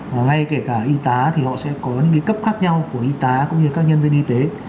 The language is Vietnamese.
và ngay kể cả y tá thì họ sẽ có những cấp khác nhau của y tá cũng như các nhân viên y tế